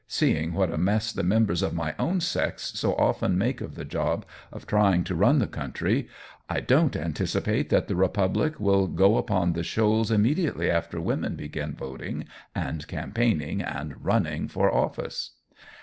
Seeing what a mess the members of my own sex so often make of the job of trying to run the country, I don't anticipate that the Republic will go upon the shoals immediately after women begin voting and campaigning and running for office.